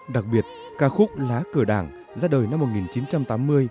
đặc biệt ca khúc lá cờ đảng ra đời năm một nghìn chín trăm tám mươi